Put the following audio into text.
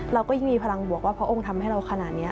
เราก็ยังมีพลังบวกว่าพระองค์ทำให้เราขนาดนี้